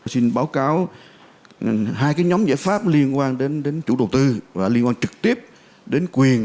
xin báo cáo hai nhóm giải pháp liên quan đến chủ đầu tư và liên quan trực tiếp đến quyền